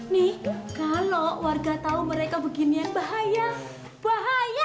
nih kalau warga tahu mereka beginian bahaya bahaya